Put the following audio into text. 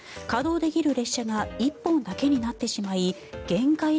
稼働できる列車が１本だけになってしまい限界